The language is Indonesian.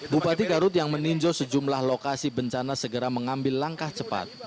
bupati garut yang meninjau sejumlah lokasi bencana segera mengambil langkah cepat